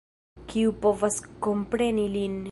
Kiu povas kompreni lin!